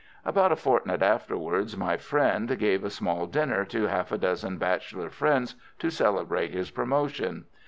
About a fortnight afterwards my friend gave a small dinner to half a dozen bachelor friends to celebrate his promotion.